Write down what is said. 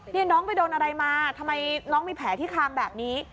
นี่น้องไปโดนอะไรมาทำไมน้องมีแผลที่คางแบบนี้